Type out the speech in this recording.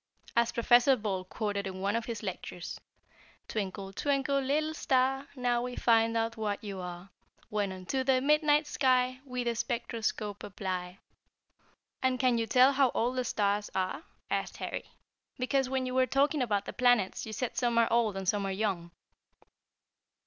As Professor Ball quoted in one of his lectures: "'Twinkle, twinkle, little star, Now we find out what you are, When unto the midnight sky We the spectroscope apply.'" "And can you tell how old the stars are?" asked Harry; "because when you were talking about the planets you said some are old and some are young."